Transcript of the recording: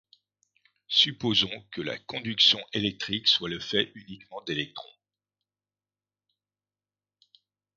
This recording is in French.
Supposons que la conduction électrique soit le fait uniquement d'électrons.